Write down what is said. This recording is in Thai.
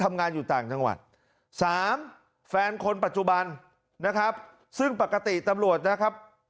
ทำงานอยู่ต่างจังหวัดสามแฟนคนปัจจุบันนะครับซึ่งปกติตำรวจนะครับ